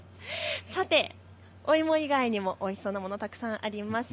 さてお芋以外にもおいしいものたくさんあります。